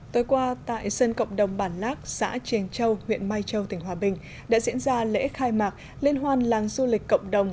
tối qua tại sân cộng đồng bản lác xã triềng châu huyện mai châu tỉnh hòa bình đã diễn ra lễ khai mạc liên hoan làng du lịch cộng đồng